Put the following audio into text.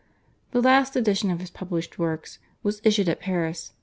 The last edition of his published works was issued at Paris (1868 9).